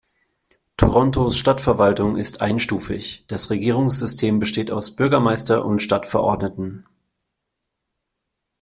Torontos Stadtverwaltung ist einstufig, das Regierungssystem besteht aus Bürgermeister und Stadtverordneten.